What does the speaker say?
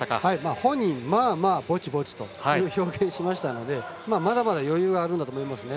本人はまあまあ、ぼちぼちという表現をしましたのでまだまだ余裕はあるんだと思いますね。